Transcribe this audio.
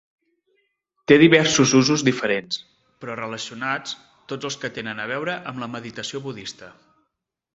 Té diversos usos diferents, però relacionats, tots els que tenen a veure amb la meditació budista.